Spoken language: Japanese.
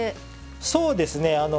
そうですね。